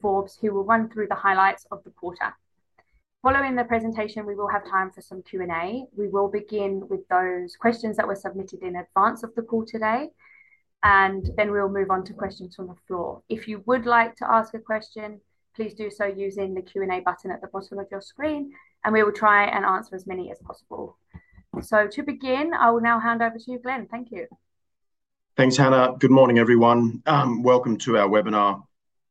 Forbes who will run through the highlights of the quarter. Following the presentation, we will have time for some Q&A. We will begin with those questions that were submitted in advance of the call today, and then we'll move on to questions from the floor. If you would like to ask a question, please do so using the Q&A button at the bottom of your screen, and we will try and answer as many as possible. To begin, I will now hand over to you, Glenn. Thank you. Thanks, Hannah. Good morning, everyone. Welcome to our webinar.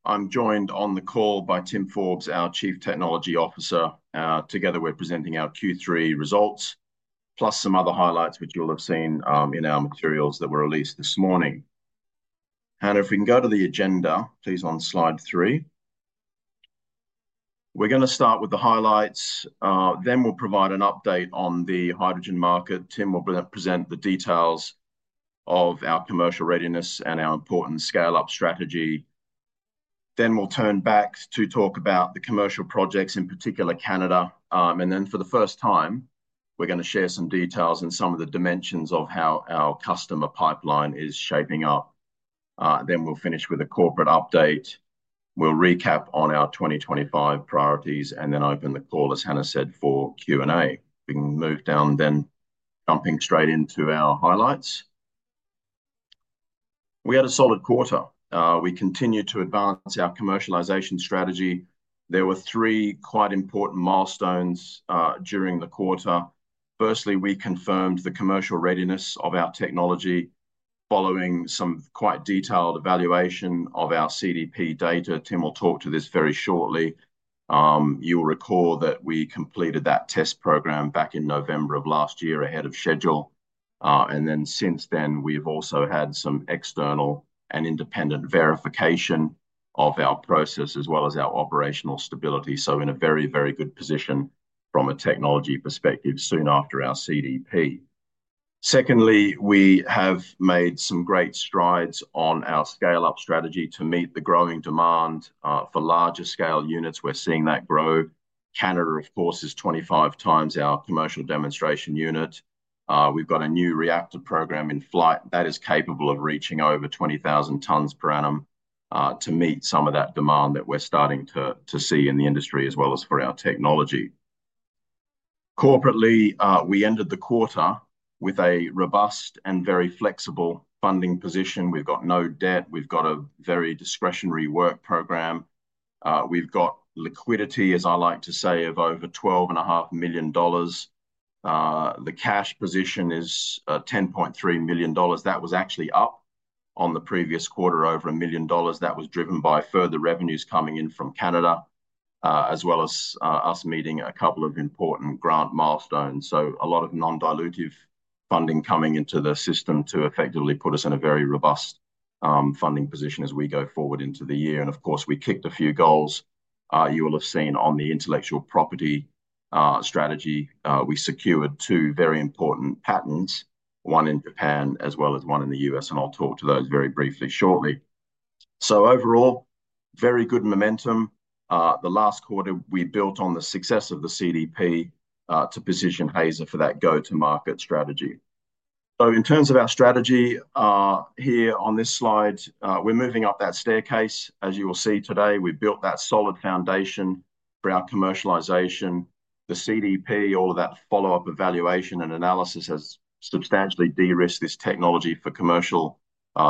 I'm joined on the call by Tim Forbes, our Chief Technology Officer. Together, we're presenting our Q3 results, plus some other highlights which you'll have seen in our materials that were released this morning. Hannah, if we can go to the agenda, please, on slide three. We're going to start with the highlights. Then we'll provide an update on the hydrogen market. Tim will present the details of our commercial readiness and our important scale-up strategy. Next, we'll turn back to talk about the commercial projects, in particular, Canada. For the first time, we're going to share some details and some of the dimensions of how our customer pipeline is shaping up. We'll finish with a corporate update. We'll recap on our 2025 priorities and then open the call, as Hannah said, for Q&A. We can move down then, jumping straight into our highlights. We had a solid quarter. We continued to advance our commercialization strategy. There were three quite important milestones during the quarter. Firstly, we confirmed the commercial readiness of our technology following some quite detailed evaluation of our CDP data. Tim will talk to this very shortly. You'll recall that we completed that test program back in November of last year ahead of schedule. Since then, we've also had some external and independent verification of our process as well as our operational stability. In a very, very good position from a technology perspective soon after our CDP. Secondly, we have made some great strides on our scale-up strategy to meet the growing demand for larger-scale units. We're seeing that grow. Canada, of course, is 25 times our commercial demonstration unit. We've got a new reactor program in flight that is capable of reaching over 20,000 t per annum to meet some of that demand that we're starting to see in the industry as well as for our technology. Corporately, we ended the quarter with a robust and very flexible funding position. We've got no debt. We've got a very discretionary work program. We've got liquidity, as I like to say, of over $12.5 million. The cash position is $10.3 million. That was actually up on the previous quarter over a million dollars. That was driven by further revenues coming in from Canada as well as us meeting a couple of important grant milestones. A lot of non-dilutive funding coming into the system to effectively put us in a very robust funding position as we go forward into the year. Of course, we kicked a few goals. You will have seen on the intellectual property strategy, we secured two very important patents, one in Japan as well as one in the U.S., and I'll talk to those very briefly shortly. Overall, very good momentum. The last quarter, we built on the success of the CDP to position Hazer for that go-to-market strategy. In terms of our strategy here on this slide, we're moving up that staircase, as you will see today. We've built that solid foundation for our commercialization. The CDP, all of that follow-up evaluation and analysis has substantially de-risked this technology for commercial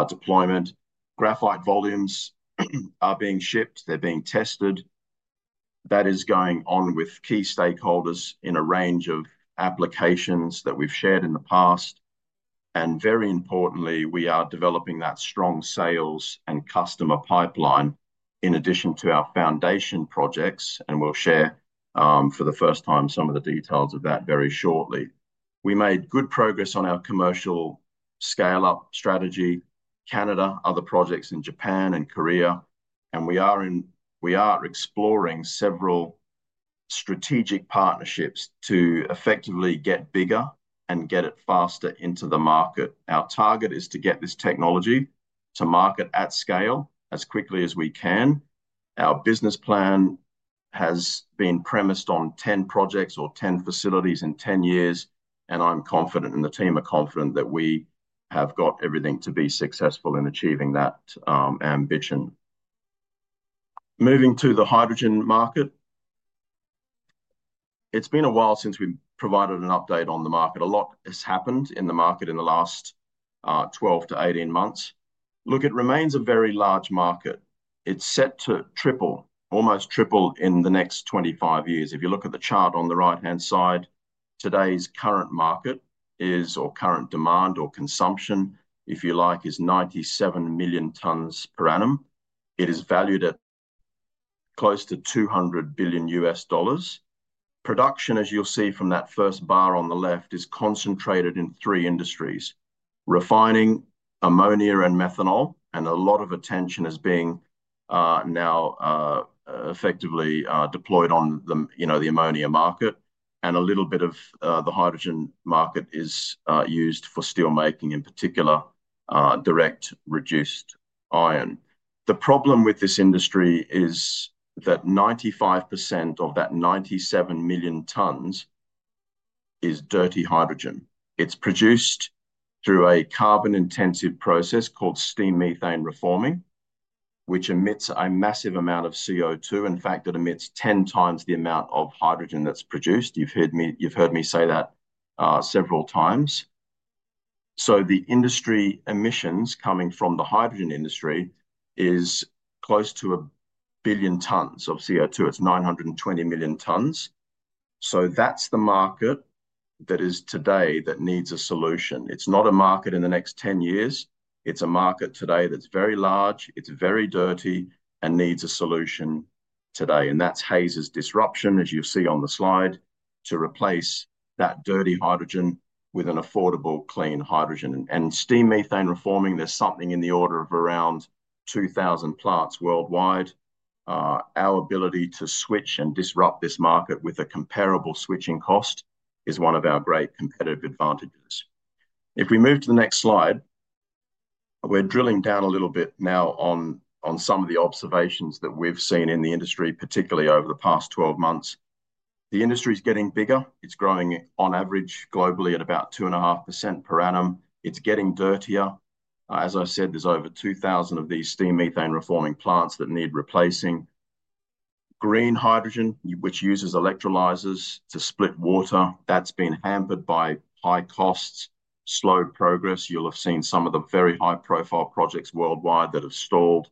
deployment. Graphite volumes are being shipped. They're being tested. That is going on with key stakeholders in a range of applications that we've shared in the past. Very importantly, we are developing that strong sales and customer pipeline in addition to our foundation projects, and we'll share for the first time some of the details of that very shortly. We made good progress on our commercial scale-up strategy: Canada, other projects in Japan and Korea. We are exploring several strategic partnerships to effectively get bigger and get it faster into the market. Our target is to get this technology to market at scale as quickly as we can. Our business plan has been premised on 10 projects or 10 facilities in 10 years, and I'm confident, and the team are confident, that we have got everything to be successful in achieving that ambition. Moving to the hydrogen market, it's been a while since we've provided an update on the market. A lot has happened in the market in the last 12-18 months. Look, it remains a very large market. It's set to triple, almost triple in the next 25 years. If you look at the chart on the right-hand side, today's current market is, or current demand or consumption, if you like, is 97 million t per annum. It is valued at close to $200 billion U.S. dollars. Production, as you'll see from that first bar on the left, is concentrated in three industries: refining, ammonia, and methanol. A lot of attention is being now effectively deployed on the ammonia market. A little bit of the hydrogen market is used for steelmaking, in particular, direct-reduced iron. The problem with this industry is that 95% of that 97 million t is dirty hydrogen. It's produced through a carbon-intensive process called steam methane reforming, which emits a massive amount of CO2. In fact, it emits 10 times the amount of hydrogen that's produced. You've heard me say that several times. The industry emissions coming from the hydrogen industry is close to a billion t of CO2. It's 920 million t. That's the market that is today that needs a solution. It's not a market in the next 10 years. It's a market today that's very large, it's very dirty, and needs a solution today. That's Hazer's disruption, as you see on the slide, to replace that dirty hydrogen with an affordable, clean hydrogen. Steam methane reforming, there's something in the order of around 2,000 plants worldwide. Our ability to switch and disrupt this market with a comparable switching cost is one of our great competitive advantages. If we move to the next slide, we're drilling down a little bit now on some of the observations that we've seen in the industry, particularly over the past 12 months. The industry's getting bigger. It's growing on average globally at about 2.5% per annum. It's getting dirtier. As I said, there's over 2,000 of these steam methane reforming plants that need replacing. Green hydrogen, which uses electrolyzers to split water, that's been hampered by high costs, slowed progress. You'll have seen some of the very high-profile projects worldwide that have stalled.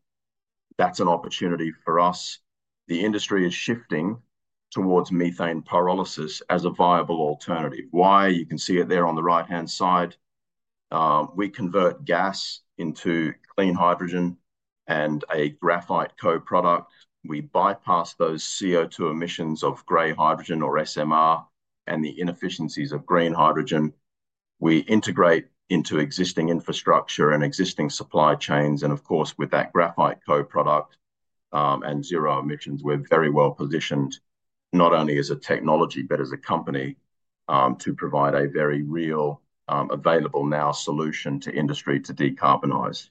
That's an opportunity for us. The industry is shifting towards methane pyrolysis as a viable alternative. Why? You can see it there on the right-hand side. We convert gas into clean hydrogen and a graphite co-product. We bypass those CO2 emissions of gray hydrogen, or SMR, and the inefficiencies of green hydrogen. We integrate into existing infrastructure and existing supply chains. With that graphite co-product and zero emissions, we are very well positioned not only as a technology but as a company to provide a very real, available-now solution to industry to decarbonise.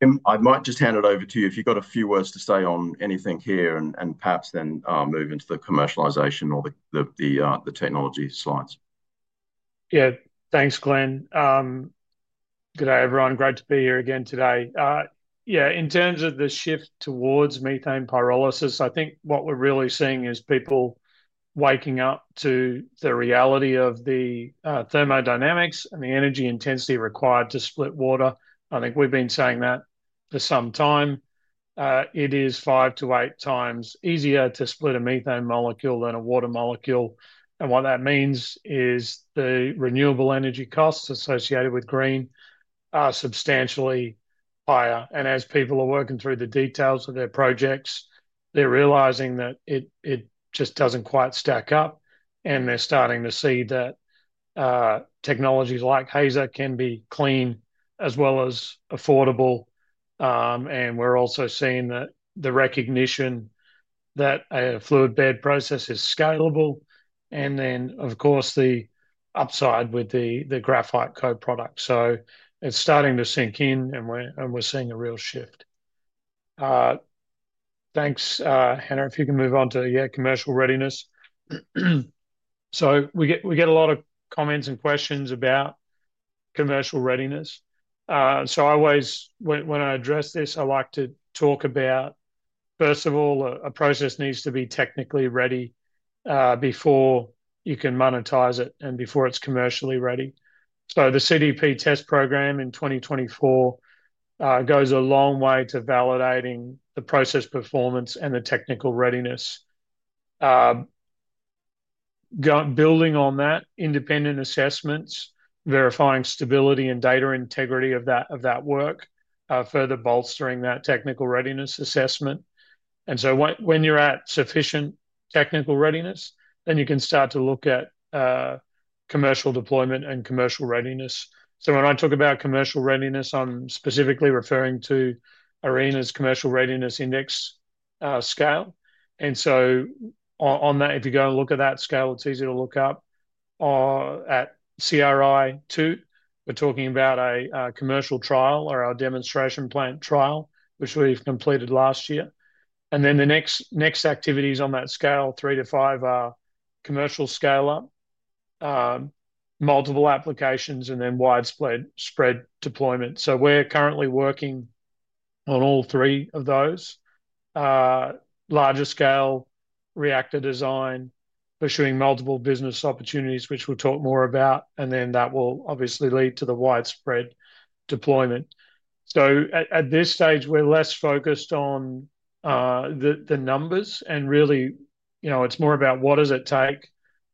Tim, I might just hand it over to you if you have got a few words to say on anything here and perhaps then move into the commercialization or the technology slides. Yeah, thanks, Glenn. G'day, everyone. Great to be here again today. In terms of the shift towards methane pyrolysis, I think what we're really seeing is people waking up to the reality of the thermodynamics and the energy intensity required to split water. I think we've been saying that for some time. It is five to eight times easier to split a methane molecule than a water molecule. What that means is the renewable energy costs associated with green are substantially higher. As people are working through the details of their projects, they're realising that it just doesn't quite stack up. They're starting to see that technologies like Hazer can be clean as well as affordable. We're also seeing the recognition that a fluid bed process is scalable. Of course, the upside with the graphite co-product. It's starting to sink in, and we're seeing a real shift. Thanks, Hannah. If you can move on to, yeah, commercial readiness. We get a lot of comments and questions about commercial readiness. I always, when I address this, I like to talk about, first of all, a process needs to be technically ready before you can monetize it and before it's commercially ready. The CDP test program in 2024 goes a long way to validating the process performance and the technical readiness. Building on that, independent assessments, verifying stability and data integrity of that work, further bolstering that technical readiness assessment. When you're at sufficient technical readiness, then you can start to look at commercial deployment and commercial readiness. When I talk about commercial readiness, I'm specifically referring to ARENA's Commercial Readiness Index scale. On that, if you go and look at that scale, it's easy to look up. At CRI 2, we're talking about a commercial trial or our demonstration plant trial, which we've completed last year. The next activities on that scale, three to five, are commercial scale-up, multiple applications, and then widespread deployment. We're currently working on all three of those: larger scale reactor design, pursuing multiple business opportunities, which we'll talk more about, and that will obviously lead to the widespread deployment. At this stage, we're less focused on the numbers. Really, it's more about what does it take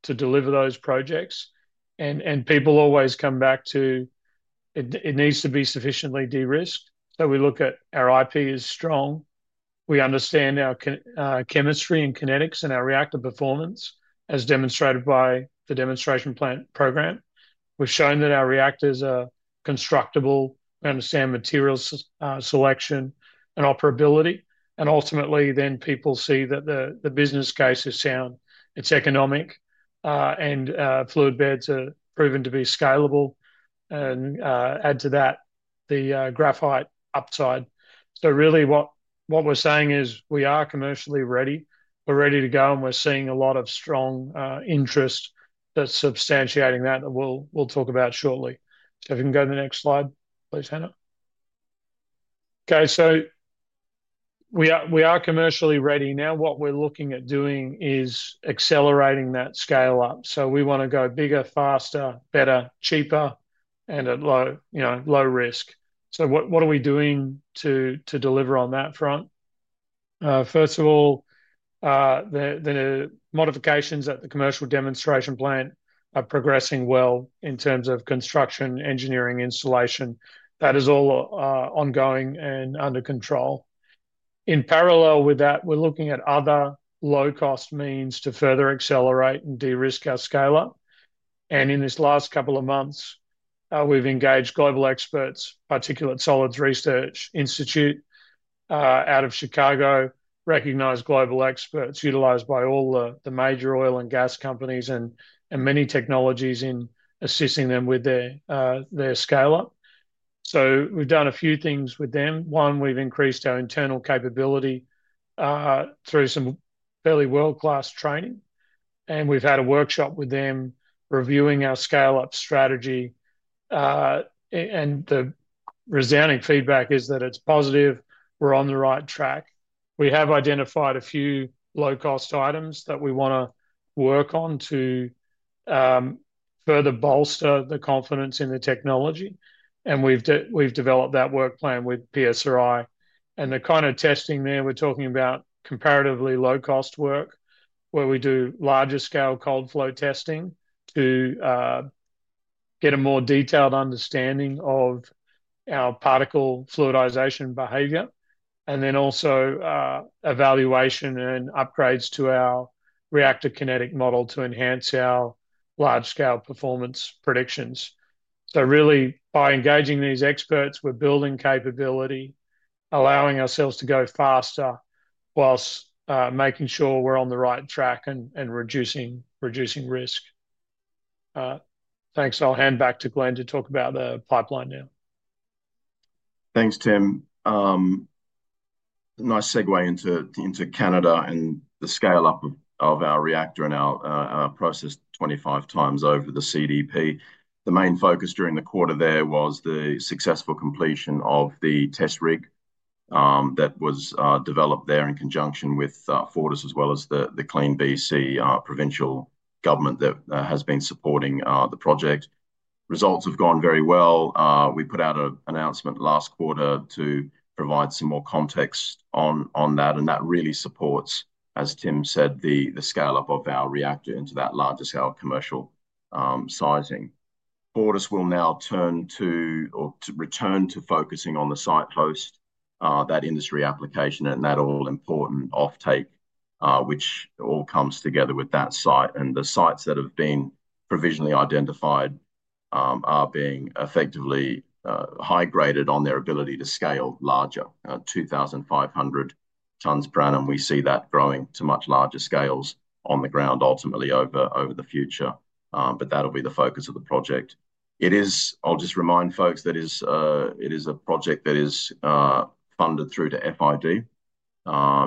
to deliver those projects. People always come back to it needs to be sufficiently de-risked. We look at our IP is strong. We understand our chemistry and kinetics and our reactor performance, as demonstrated by the demonstration plant program. We've shown that our reactors are constructible. We understand material selection and operability. Ultimately, then people see that the business case is sound. It's economic, and fluid beds are proven to be scalable. Add to that the graphite upside. Really, what we're saying is we are commercially ready. We're ready to go, and we're seeing a lot of strong interest that's substantiating that that we'll talk about shortly. If you can go to the next slide, please, Hannah. Okay, we are commercially ready. Now, what we're looking at doing is accelerating that scale-up. We want to go bigger, faster, better, cheaper, and at low risk. What are we doing to deliver on that front? First of all, the modifications at the commercial demonstration plant are progressing well in terms of construction, engineering, installation. That is all ongoing and under control. In parallel with that, we're looking at other low-cost means to further accelerate and de-risk our scale-up. In this last couple of months, we've engaged global experts, Particulate Solids Research Institute out of Chicago, recognized global experts utilized by all the major oil and gas companies and many technologies in assisting them with their scale-up. We've done a few things with them. One, we've increased our internal capability through some fairly world-class training. We've had a workshop with them reviewing our scale-up strategy. The resounding feedback is that it's positive. We're on the right track. We have identified a few low-cost items that we want to work on to further bolster the confidence in the technology. We've developed that work plan with PSRI. The kind of testing there, we're talking about comparatively low-cost work, where we do larger scale cold flow testing to get a more detailed understanding of our particle fluidisation behaviour. We also do evaluation and upgrades to our reactor kinetic model to enhance our large-scale performance predictions. Really, by engaging these experts, we're building capability, allowing ourselves to go faster whilst making sure we're on the right track and reducing risk. Thanks. I'll hand back to Glenn to talk about the pipeline now. Thanks, Tim. Nice segue into Canada and the scale-up of our reactor and our process 25 times over the CDP. The main focus during the quarter there was the successful completion of the test rig that was developed there in conjunction with Fortis as well as the CleanBC provincial government that has been supporting the project. Results have gone very well. We put out an announcement last quarter to provide some more context on that. That really supports, as Tim said, the scale-up of our reactor into that larger scale commercial siting. Fortis will now turn to or return to focusing on the site post, that industry application, and that all-important offtake, which all comes together with that site. The sites that have been provisionally identified are being effectively high-graded on their ability to scale larger, 2,500 t per annum. We see that growing to much larger scales on the ground ultimately over the future. That'll be the focus of the project. I'll just remind folks that it is a project that is funded through to FID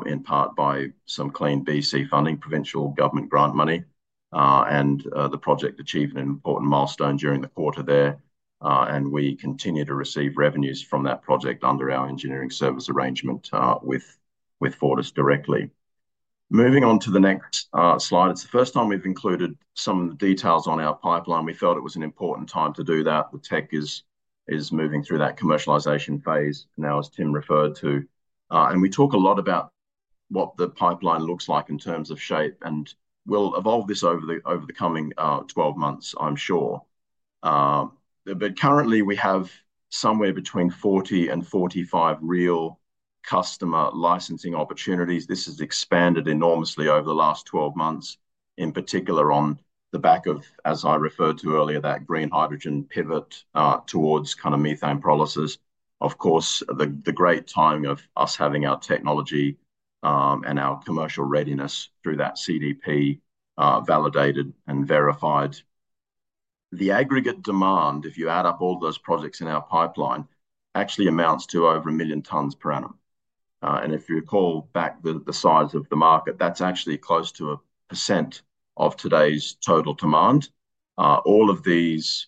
in part by some CleanBC funding, provincial government grant money. The project achieved an important milestone during the quarter there. We continue to receive revenues from that project under our engineering service arrangement with Fortis directly. Moving on to the next slide. It's the first time we've included some of the details on our pipeline. We felt it was an important time to do that. The tech is moving through that commercialisation phase now, as Tim referred to. We talk a lot about what the pipeline looks like in terms of shape. We'll evolve this over the coming 12 months, I'm sure. Currently, we have somewhere between 40 and 45 real customer licensing opportunities. This has expanded enormously over the last 12 months, in particular on the back of, as I referred to earlier, that green hydrogen pivot towards kind of methane pyrolysis. Of course, the great time of us having our technology and our commercial readiness through that CDP validated and verified. The aggregate demand, if you add up all those projects in our pipeline, actually amounts to over 1 million t per annum. If you recall back the size of the market, that's actually close to 1% of today's total demand. All of these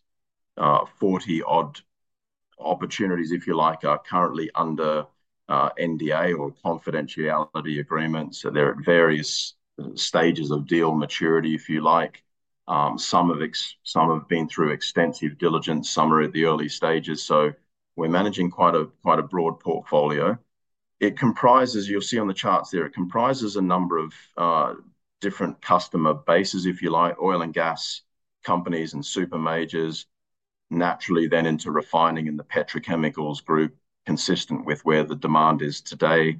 40-odd opportunities, if you like, are currently under NDA or confidentiality agreements. They're at various stages of deal maturity, if you like. Some have been through extensive diligence. Some are at the early stages. We're managing quite a broad portfolio. It comprises, you'll see on the charts there, it comprises a number of different customer bases, if you like, oil and gas companies and super majors. Naturally, then into refining and the petrochemicals group, consistent with where the demand is today.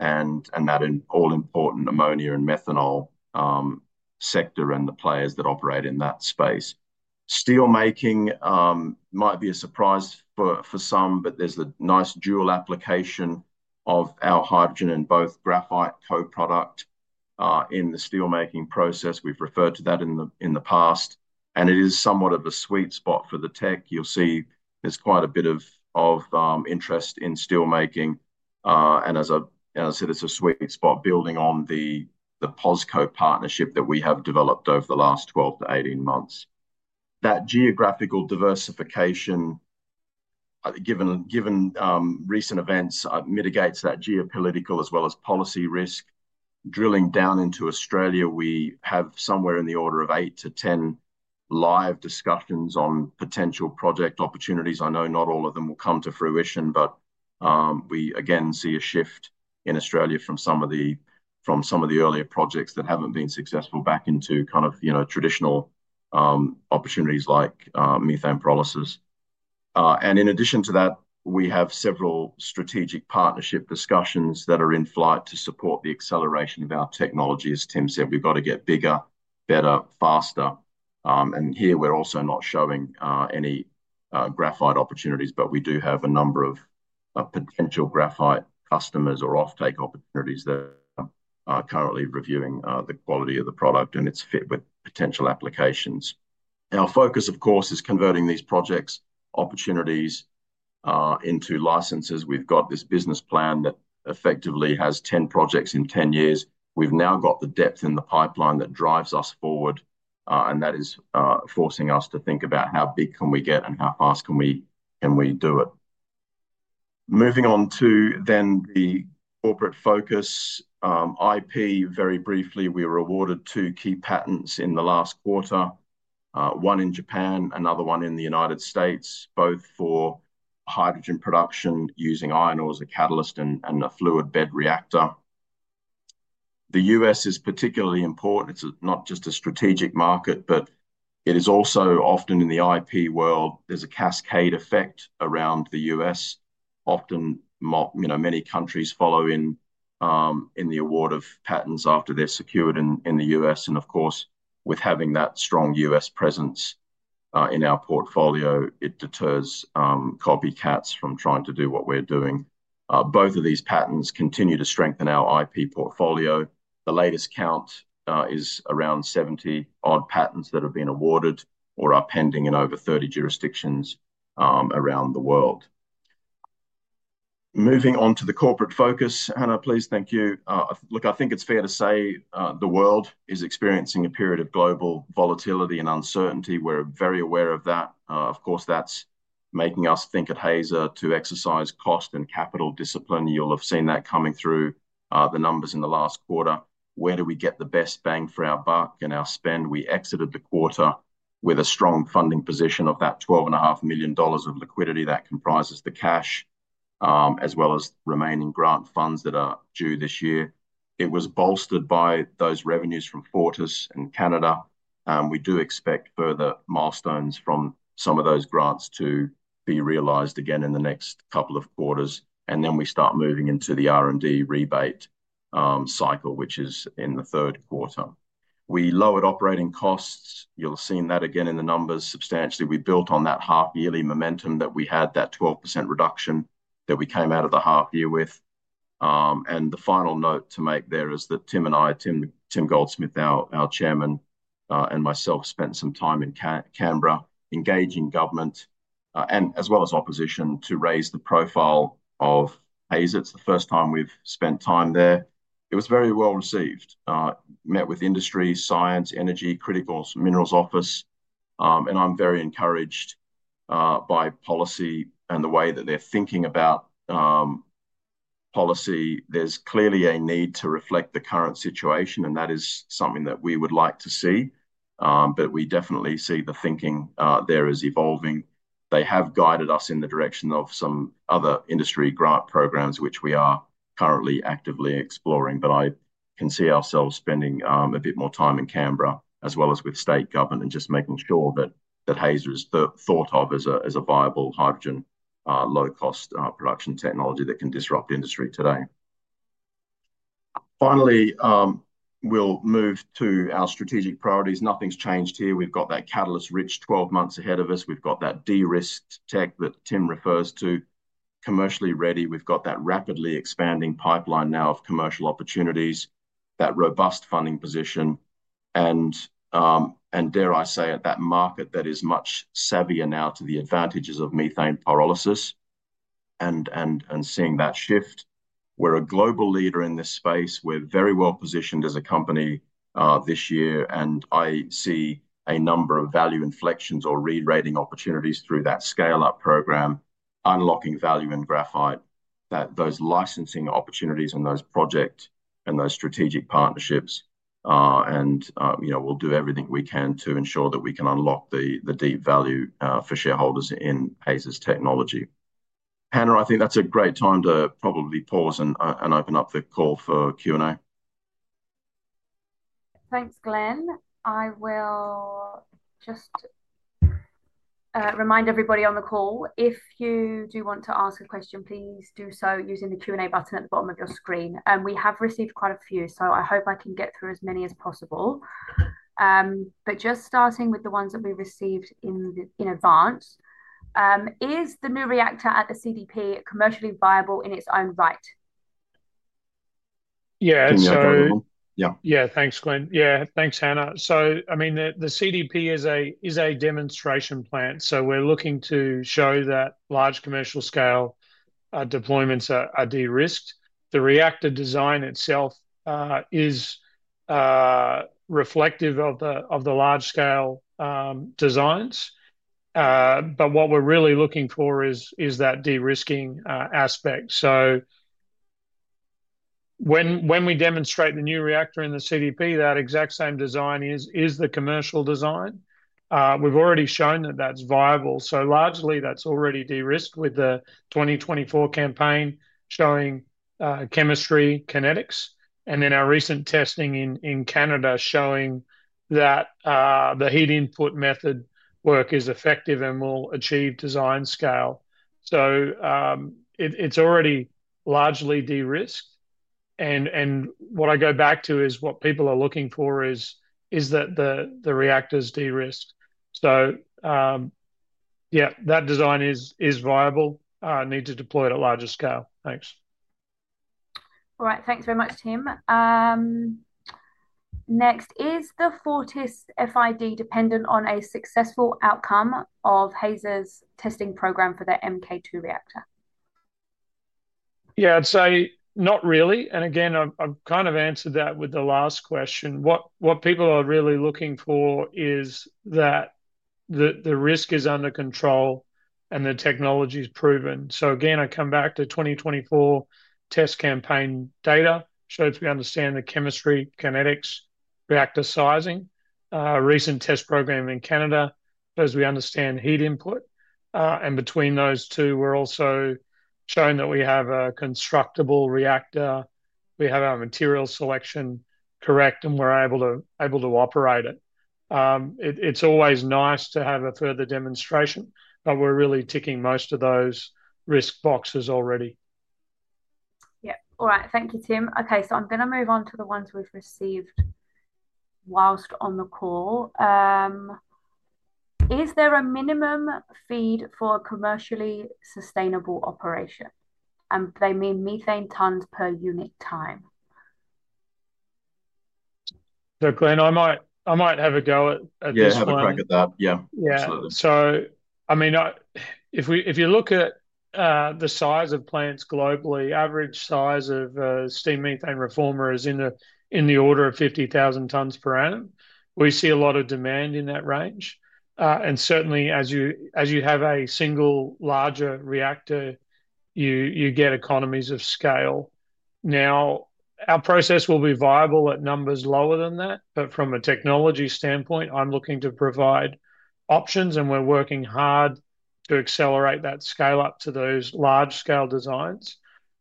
That all-important ammonia and methanol sector and the players that operate in that space. Steelmaking might be a surprise for some, but there's a nice dual application of our hydrogen and both graphite co-product in the steelmaking process. We've referred to that in the past. It is somewhat of a sweet spot for the tech. You'll see there's quite a bit of interest in steelmaking. As I said, it's a sweet spot building on the POSCO partnership that we have developed over the last 12-18 months. That geographical diversification, given recent events, mitigates that geopolitical as well as policy risk. Drilling down into Australia, we have somewhere in the order of 8-10 live discussions on potential project opportunities. I know not all of them will come to fruition, but we, again, see a shift in Australia from some of the earlier projects that have not been successful back into kind of traditional opportunities like methane pyrolysis. In addition to that, we have several strategic partnership discussions that are in flight to support the acceleration of our technology. As Tim said, we have got to get bigger, better, faster. Here, we are also not showing any graphite opportunities, but we do have a number of potential graphite customers or offtake opportunities that are currently reviewing the quality of the product and its fit with potential applications. Our focus, of course, is converting these project opportunities into licenses. We have got this business plan that effectively has 10 projects in 10 years. We've now got the depth in the pipeline that drives us forward. That is forcing us to think about how big can we get and how fast can we do it. Moving on to then the corporate focus. IP, very briefly, we were awarded two key patents in the last quarter, one in Japan, another one in the United States, both for hydrogen production using iron ore as a catalyst and a fluid bed reactor. The U.S. is particularly important. It's not just a strategic market, but it is also often in the IP world, there's a cascade effect around the U.S. Often, many countries follow in the award of patents after they're secured in the U.S. Of course, with having that strong U.S. presence in our portfolio, it deters copycats from trying to do what we're doing. Both of these patents continue to strengthen our IP portfolio. The latest count is around 70-odd patents that have been awarded or are pending in over 30 jurisdictions around the world. Moving on to the corporate focus, Hannah, please, thank you. Look, I think it's fair to say the world is experiencing a period of global volatility and uncertainty. We're very aware of that. Of course, that's making us think at Hazer to exercise cost and capital discipline. You'll have seen that coming through the numbers in the last quarter. Where do we get the best bang for our buck and our spend? We exited the quarter with a strong funding position of that $12.5 million of liquidity that comprises the cash, as well as remaining grant funds that are due this year. It was bolstered by those revenues from Fortis and Canada. We do expect further milestones from some of those grants to be realised again in the next couple of quarters. We start moving into the R&D rebate cycle, which is in the third quarter. We lowered operating costs. You'll have seen that again in the numbers substantially. We built on that half-yearly momentum that we had, that 12% reduction that we came out of the half-year with. The final note to make there is that Tim and I, Tim Goldsmith, our Chairman, and myself spent some time in Canberra engaging government and as well as opposition to raise the profile of Hazer. It's the first time we've spent time there. It was very well received. Met with industry, science, energy, critical minerals office. I'm very encouraged by policy and the way that they're thinking about policy. There's clearly a need to reflect the current situation, and that is something that we would like to see. We definitely see the thinking there is evolving. They have guided us in the direction of some other industry grant programs, which we are currently actively exploring. I can see ourselves spending a bit more time in Canberra, as well as with state government, and just making sure that Hazer is thought of as a viable hydrogen, low-cost production technology that can disrupt industry today. Finally, we'll move to our strategic priorities. Nothing's changed here. We've got that catalyst-rich 12 months ahead of us. We've got that de-risk tech that Tim refers to, commercially ready. We've got that rapidly expanding pipeline now of commercial opportunities, that robust funding position. Dare I say it, that market that is much savvier now to the advantages of methane pyrolysis and seeing that shift. We are a global leader in this space. We are very well positioned as a company this year. I see a number of value inflections or re-rating opportunities through that scale-up program, unlocking value in graphite, those licensing opportunities and those projects and those strategic partnerships. We will do everything we can to ensure that we can unlock the deep value for shareholders in Hazer's technology. Hannah, I think that is a great time to probably pause and open up the call for Q&A. Thanks, Glenn. I will just remind everybody on the call, if you do want to ask a question, please do so using the Q&A button at the bottom of your screen. We have received quite a few, so I hope I can get through as many as possible. Just starting with the ones that we received in advance, is the new reactor at the CDP commercially viable in its own right? Yeah, so. Yeah, thanks, Glenn. Yeah, thanks, Hannah. I mean, the CDP is a demonstration plant. We are looking to show that large commercial scale deployments are de-risked. The reactor design itself is reflective of the large-scale designs. What we are really looking for is that de-risking aspect. When we demonstrate the new reactor in the CDP, that exact same design is the commercial design. We have already shown that that is viable. Largely, that is already de-risked with the 2024 campaign showing chemistry kinetics. Our recent testing in Canada showed that the heat input method work is effective and will achieve design scale. It is already largely de-risked. What I go back to is what people are looking for is that the reactor is de-risked. Yeah, that design is viable. Need to deploy it at larger scale. Thanks. All right, thanks very much, Tim. Next, is the Fortis FID dependent on a successful outcome of Hazer's testing program for the MK2 reactor? Yeah, I'd say not really. I have kind of answered that with the last question. What people are really looking for is that the risk is under control and the technology's proven. I come back to 2024 test campaign data, shows we understand the chemistry, kinetics, reactor sizing, recent test program in Canada, shows we understand heat input. Between those two, we're also showing that we have a constructible reactor, we have our material selection correct, and we're able to operate it. It's always nice to have a further demonstration, but we're really ticking most of those risk boxes already. Yep. All right, thank you, Tim. Okay, I am going to move on to the ones we've received whilst on the call. Is there a minimum feed for a commercially sustainable operation? And they mean methane tons per unit time. Glenn, I might have a go at this one. Yeah, I'll look back at that. Yeah, absolutely. Yeah. I mean, if you look at the size of plants globally, average size of steam methane reformer is in the order of 50,000 t per annum. We see a lot of demand in that range. Certainly, as you have a single larger reactor, you get economies of scale. Now, our process will be viable at numbers lower than that, but from a technology standpoint, I'm looking to provide options, and we're working hard to accelerate that scale up to those large-scale designs.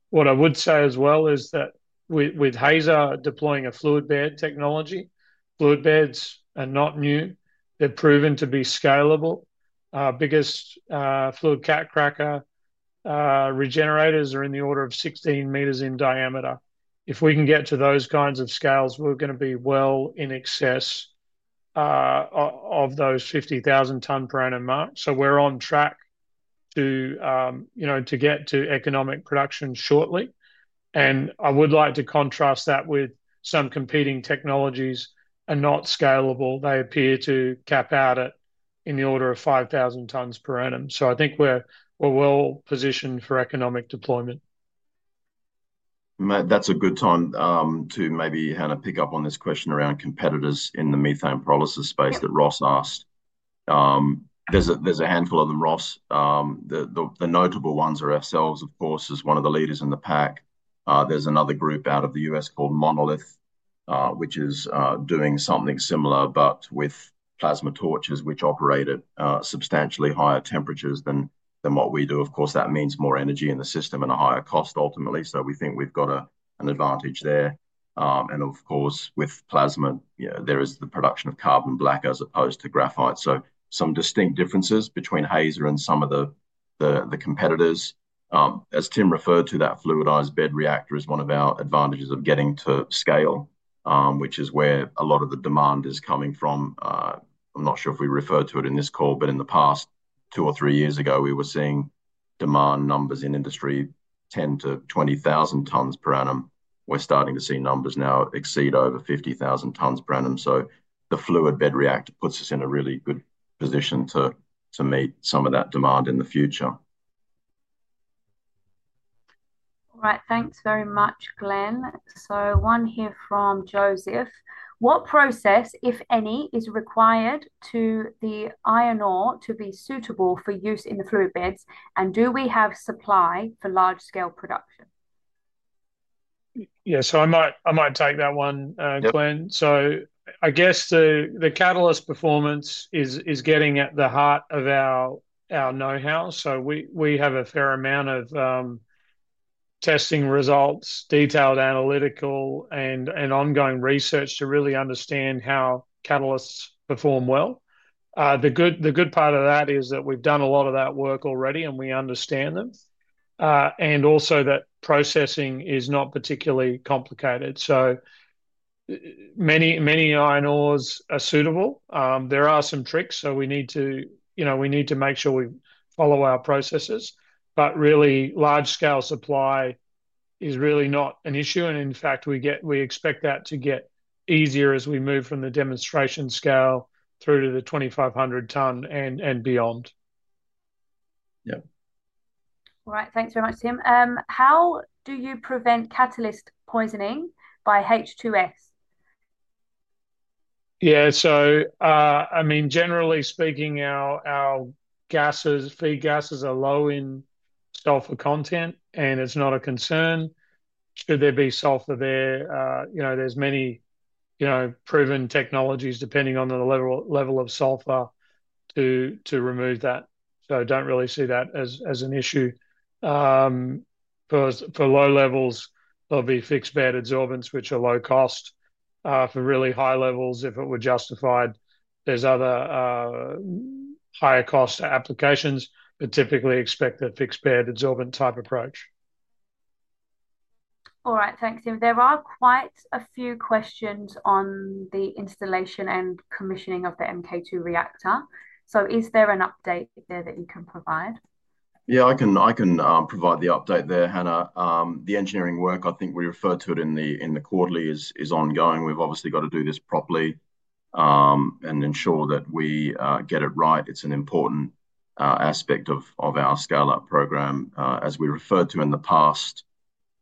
What I would say as well is that with Hazer deploying a fluid bed technology, fluid beds are not new. They're proven to be scalable. Biggest fluid catcracker regenerators are in the order of 16 meters in diameter. If we can get to those kinds of scales, we're going to be well in excess of those 50,000-t per annum mark. We're on track to get to economic production shortly. I would like to contrast that with some competing technologies that are not scalable. They appear to cap out at in the order of 5,000 t per annum. I think we're well positioned for economic deployment. That's a good time to maybe, Hannah, pick up on this question around competitors in the methane pyrolysis space that Ross asked. There's a handful of them, Ross. The notable ones are ourselves, of course, as one of the leaders in the pack. There's another group out of the US called Monolith, which is doing something similar, but with plasma torches, which operate at substantially higher temperatures than what we do. That means more energy in the system and a higher cost ultimately. We think we've got an advantage there. With plasma, there is the production of carbon black as opposed to graphite. Some distinct differences between Hazer and some of the competitors. As Tim referred to, that fluid bed reactor is one of our advantages of getting to scale, which is where a lot of the demand is coming from. I'm not sure if we referred to it in this call, but in the past two or three years ago, we were seeing demand numbers in industry 10,000-20,000 t per annum. We're starting to see numbers now exceed over 50,000 t per annum. The fluid bed reactor puts us in a really good position to meet some of that demand in the future. All right, thanks very much, Glenn. One here from Joseph. What process, if any, is required to the iron ore to be suitable for use in the fluid beds? And do we have supply for large-scale production? Yeah, I might take that one, Glenn. I guess the catalyst performance is getting at the heart of our know-how. We have a fair amount of testing results, detailed analytical, and ongoing research to really understand how catalysts perform well. The good part of that is that we've done a lot of that work already, and we understand them. Also, that processing is not particularly complicated. Many iron ores are suitable. There are some tricks, so we need to make sure we follow our processes. Really, large-scale supply is really not an issue. In fact, we expect that to get easier as we move from the demonstration scale through to the 2,500-t and beyond. Yep. All right, thanks very much, Tim. How do you prevent catalyst poisoning by H2S? Yeah, so I mean, generally speaking, our feed gases are low in sulphur content, and it's not a concern. Should there be sulphur there, there's many proven technologies depending on the level of sulphur to remove that. I don't really see that as an issue. For low levels, there'll be fixed bed adsorbents, which are low cost. For really high levels, if it were justified, there's other higher cost applications. Typically, expect a fixed bed adsorbent type approach. All right, thanks, Tim. There are quite a few questions on the installation and commissioning of the MK2 reactor. Is there an update there that you can provide? Yeah, I can provide the update there, Hannah. The engineering work, I think we referred to it in the quarterly, is ongoing. We've obviously got to do this properly and ensure that we get it right. It's an important aspect of our scale-up program. As we referred to in the past,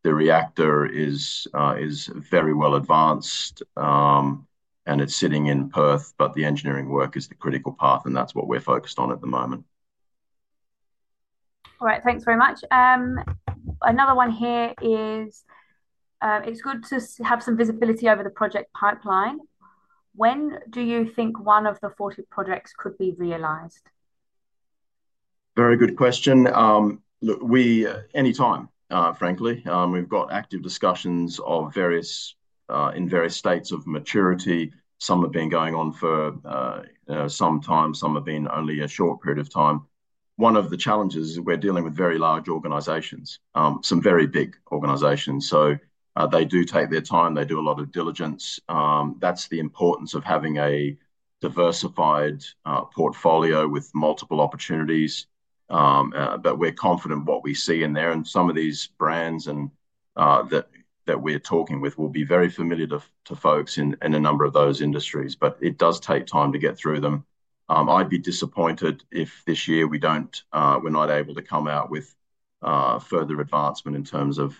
the reactor is very well advanced, and it's sitting in Perth, but the engineering work is the critical part, and that's what we're focused on at the moment. All right, thanks very much. Another one here is, it's good to have some visibility over the project pipeline. When do you think one of the Fortis projects could be realised? Very good question. Anytime, frankly. We've got active discussions in various states of maturity. Some have been going on for some time. Some have been only a short period of time. One of the challenges is we're dealing with very large organizations, some very big organizations. They do take their time. They do a lot of diligence. That's the importance of having a diversified portfolio with multiple opportunities. We're confident in what we see in there. Some of these brands that we're talking with will be very familiar to folks in a number of those industries, but it does take time to get through them. I'd be disappointed if this year we're not able to come out with further advancement in terms of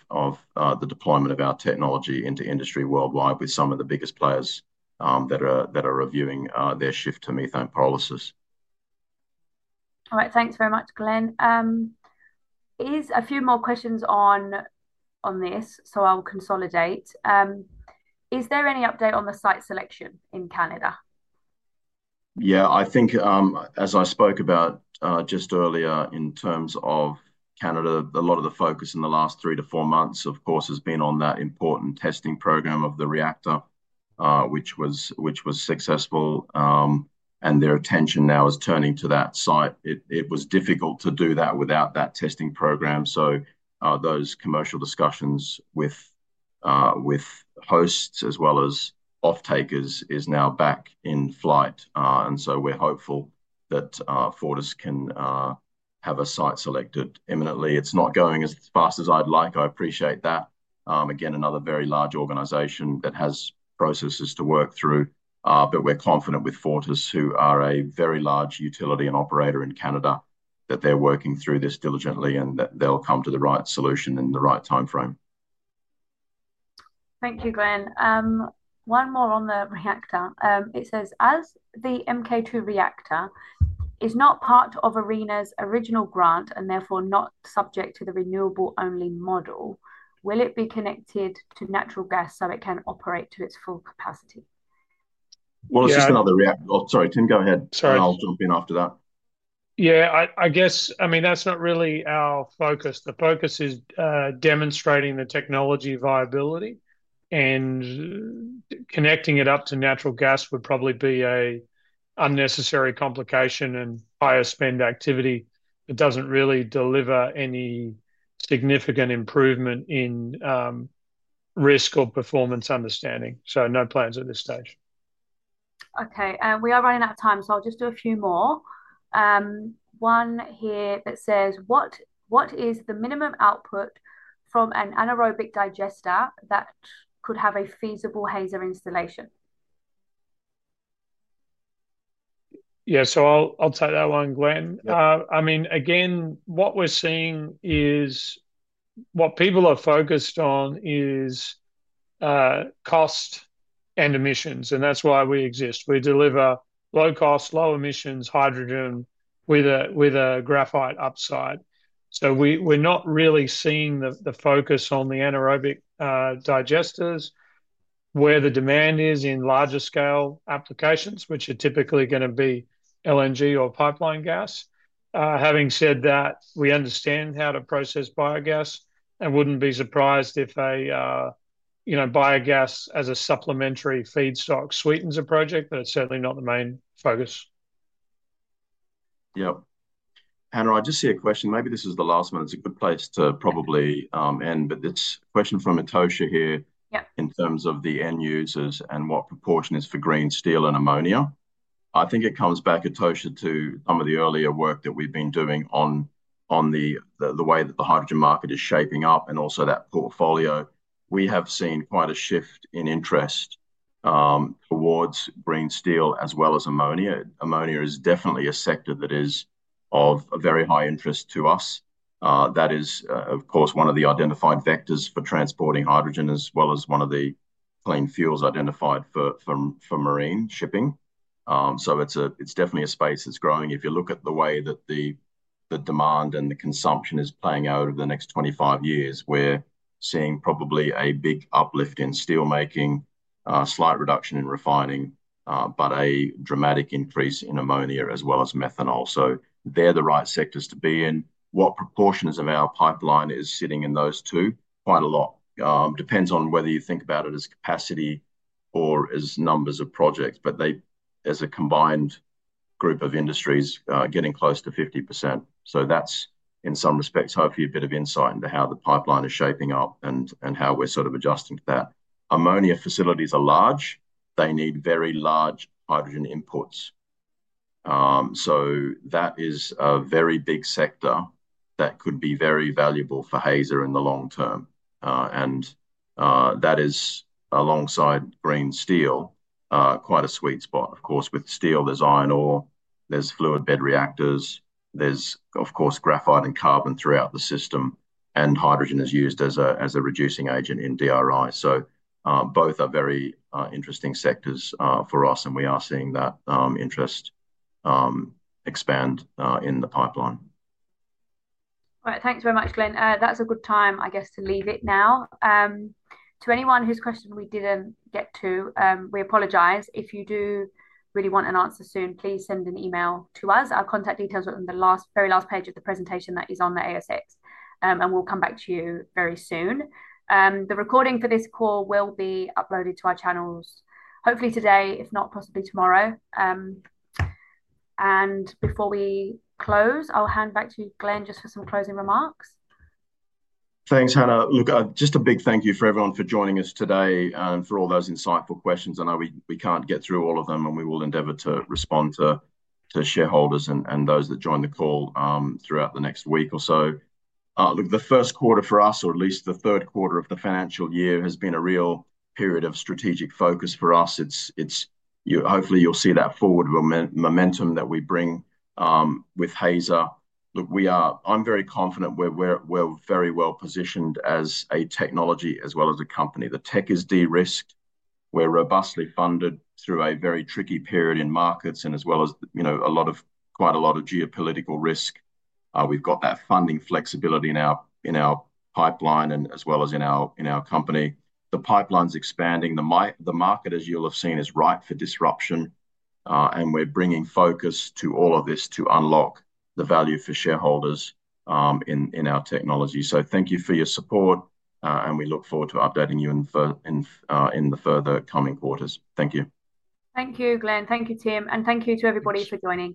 the deployment of our technology into industry worldwide with some of the biggest players that are reviewing their shift to methane pyrolysis. All right, thanks very much, Glenn. There's a few more questions on this, so I'll consolidate. Is there any update on the site selection in Canada? Yeah, I think as I spoke about just earlier in terms of Canada, a lot of the focus in the last three to four months, of course, has been on that important testing program of the reactor, which was successful. Their attention now is turning to that site. It was difficult to do that without that testing program. Those commercial discussions with hosts as well as off-takers are now back in flight. We are hopeful that Fortis can have a site selected imminently. It's not going as fast as I'd like. I appreciate that. Again, another very large organization that has processes to work through. We are confident with Fortis, who are a very large utility and operator in Canada, that they're working through this diligently and that they'll come to the right solution in the right timeframe. Thank you, Glenn. One more on the reactor. It says, as the MK2 reactor is not part of ARENA's original grant and therefore not subject to the renewable-only model, will it be connected to natural gas so it can operate to its full capacity? It's just another reactor. Oh, sorry, Tim, go ahead. Sorry. I'll jump in after that. Yeah, I guess, I mean, that's not really our focus. The focus is demonstrating the technology viability. Connecting it up to natural gas would probably be an unnecessary complication and higher spend activity. It doesn't really deliver any significant improvement in risk or performance understanding. No plans at this stage. Okay, we are running out of time, so I'll just do a few more. One here that says, what is the minimum output from an anaerobic digester that could have a feasible Hazer installation? Yeah, I'll take that one, Glenn. I mean, again, what we're seeing is what people are focused on is cost and emissions. That's why we exist. We deliver low cost, low emissions hydrogen with a graphite upside. We're not really seeing the focus on the anaerobic digesters where the demand is in larger scale applications, which are typically going to be LNG or pipeline gas. Having said that, we understand how to process biogas and wouldn't be surprised if biogas as a supplementary feedstock sweetens a project, but it's certainly not the main focus. Yep. Hannah, I just see a question. Maybe this is the last one. It's a good place to probably end, but this question from Etosha here in terms of the end users and what proportion is for green steel and ammonia. I think it comes back, Etosha, to some of the earlier work that we've been doing on the way that the hydrogen market is shaping up and also that portfolio. We have seen quite a shift in interest towards green steel as well as ammonia. Ammonia is definitely a sector that is of very high interest to us. That is, of course, one of the identified vectors for transporting hydrogen as well as one of the clean fuels identified for marine shipping. It is definitely a space that's growing. If you look at the way that the demand and the consumption is playing out over the next 25 years, we're seeing probably a big uplift in steelmaking, a slight reduction in refining, but a dramatic increase in ammonia as well as methanol. They are the right sectors to be in. What proportions of our pipeline is sitting in those two? Quite a lot. Depends on whether you think about it as capacity or as numbers of projects, but as a combined group of industries, getting close to 50%. That is, in some respects, hopefully a bit of insight into how the pipeline is shaping up and how we're sort of adjusting to that. Ammonia facilities are large. They need very large hydrogen inputs. That is a very big sector that could be very valuable for Hazer in the long term. That is, alongside green steel, quite a sweet spot. Of course, with steel, there is iron ore, there are fluid bed reactors, there is, of course, graphite and carbon throughout the system, and hydrogen is used as a reducing agent in DRI. Both are very interesting sectors for us, and we are seeing that interest expand in the pipeline. All right, thanks very much, Glenn. That's a good time, I guess, to leave it now. To anyone whose question we didn't get to, we apologise. If you do really want an answer soon, please send an email to us. Our contact details are in the very last page of the presentation that is on the ASX, and we'll come back to you very soon. The recording for this call will be uploaded to our channels, hopefully today, if not possibly tomorrow. Before we close, I'll hand back to Glenn just for some closing remarks. Thanks, Hannah. Look, just a big thank you for everyone for joining us today and for all those insightful questions. I know we can't get through all of them, and we will endeavour to respond to shareholders and those that join the call throughout the next week or so. Look, the first quarter for us, or at least the third quarter of the financial year, has been a real period of strategic focus for us. Hopefully, you'll see that forward momentum that we bring with Hazer. Look, I'm very confident we're very well positioned as a technology as well as a company. The tech is de-risked. We're robustly funded through a very tricky period in markets and as well as quite a lot of geopolitical risk. We've got that funding flexibility in our pipeline as well as in our company. The pipeline's expanding. The market, as you'll have seen, is ripe for disruption. We are bringing focus to all of this to unlock the value for shareholders in our technology. Thank you for your support, and we look forward to updating you in the further coming quarters. Thank you. Thank you, Glenn. Thank you, Tim. Thank you to everybody for joining.